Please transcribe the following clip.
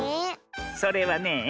それはねえ